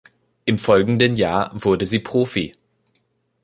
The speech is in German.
Im folgenden Jahr wurde sie Profi.